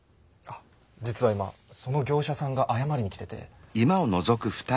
実は今その業者さんが謝りに来てて。